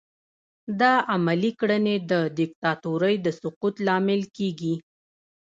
دا عملي کړنې د دیکتاتورۍ د سقوط لامل کیږي.